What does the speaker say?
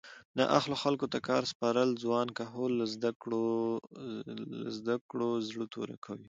نااهلو خلکو ته کار سپارل ځوان کهول له زده کړو زړه توری کوي